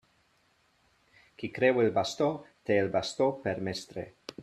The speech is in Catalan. Qui creu el bastó, té el bastó per mestre.